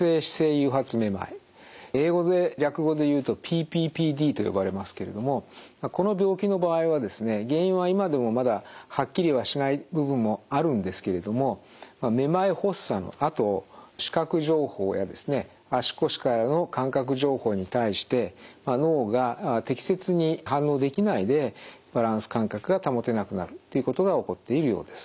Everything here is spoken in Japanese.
誘発めまい英語で略語で言うとＰＰＰＤと呼ばれますけれどもこの病気の場合はですね原因は今でもまだはっきりはしない部分もあるんですけれどもめまい発作のあと視覚情報や足腰からの感覚情報に対して脳が適切に反応できないでバランス感覚が保てなくなるということが起こっているようです。